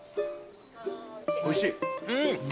おいしい。